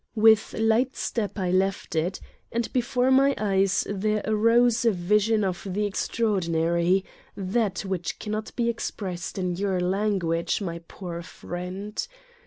With light step I left it and before my eyes there arose a vision of the extraordinary, that which cannot be expressed in your language, my poor friend